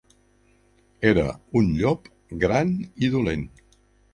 Era un llop gran i dolent.